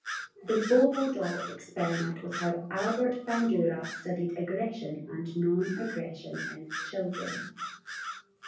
The Bobo Doll Experiment was how Albert Bandura studied aggression and non-aggression in children.